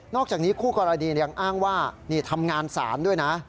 อกจากนี้คู่กรณียังอ้างว่านี่ทำงานศาลด้วยนะ